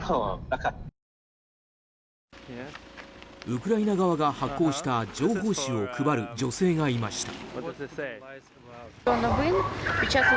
ウクライナ側が発行した情報紙を配る女性がいました。